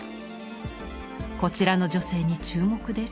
こちらの女性に注目です。